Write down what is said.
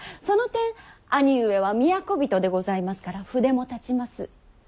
その点兄上は都人でございますから筆も立ちます。